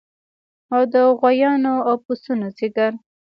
او د غوایانو او پسونو ځیګر